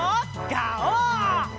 ガオー！